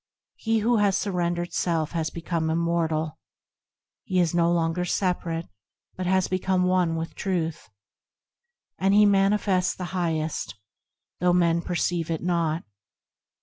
He who has surrendered self has become, immortal, He is no longer separate but has become one with Truth, And he manifests the Highest, though men perceive it not.